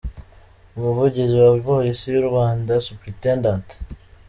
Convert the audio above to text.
Umuvugizi wa Polisi y’u Rwanda Supt.